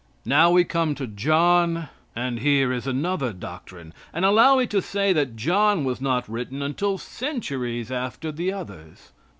Now we come to John, and here is another doctrine. And allow me to say that John was not written until centuries after the others.